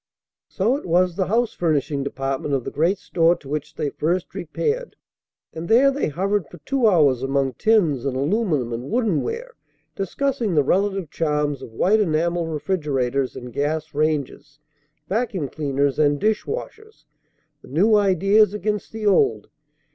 So it was the house furnishing department of the great store to which they first repaired, and there they hovered for two hours among tins and aluminum and wooden ware, discussing the relative charms of white enamel refrigerators and gas ranges, vacuum cleaners and dish washers, the new ideas against the old.